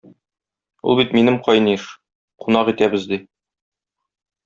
Ул бит минем кайниш, кунак итәбез, - ди.